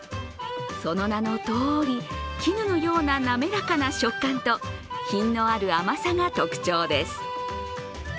その名のとおり、絹のような滑らかな食感と品のある甘さが特徴です。